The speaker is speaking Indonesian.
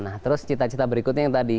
nah terus cita cita berikutnya yang tadi